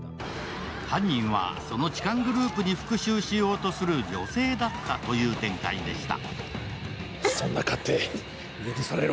犯人は、その痴漢グループに復讐しようとする女性だったという展開でした。